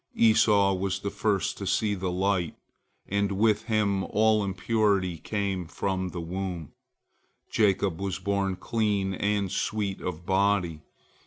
Esau was the first to see the light, and with him all impurity came from the womb; Jacob was born clean and sweet of body.